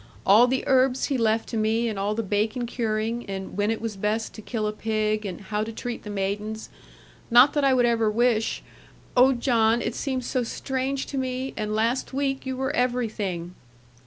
All the herbs he left to me, and all the bacon curing, and when it was best to kill a pig, and how to treat the maidens. Not that I would ever wish oh, John, it seems so strange to me, and last week you were everything.'